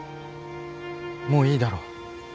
もういいだろ。